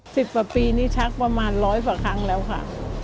สิบประปีนี้ชักประมาณร้อยประครั้งแล้วค่ะ